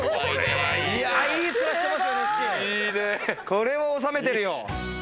これは収めてるよ。